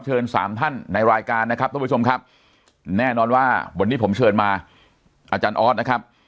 ถึงสามท่านในรายการกรอบถาบชมครับแน่นอนว่าตรงนี้ผมเชิญมาอาจารย์ออสนะครับ